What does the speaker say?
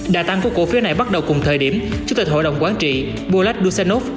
đà tăng của cổ phiếu này bắt đầu cùng thời điểm chủ tịch hội đồng quán trị bulat dusanov